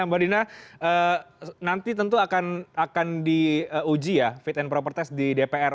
mbak dina nanti tentu akan diuji ya fit and proper test di dpr